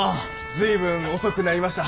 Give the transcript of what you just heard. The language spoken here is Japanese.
随分遅くなりました。